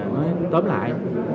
nói tóm lại